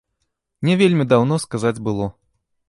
Не вельмі даўно, сказаць, было.